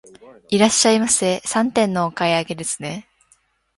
いらっしゃいませ、三点のお買い上げですね。